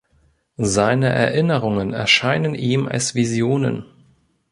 Seine Erinnerungen erscheinen ihm als Visionen.